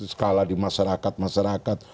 skala di masyarakat masyarakat